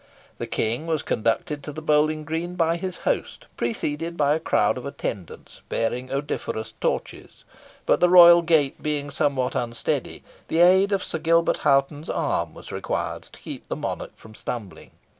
The King was conducted to the bowling green by his host, preceded by a crowd of attendants bearing odoriferous torches; but the royal gait being somewhat unsteady, the aid of Sir Gilbert Hoghton's arm was required to keep the monarch from stumbling.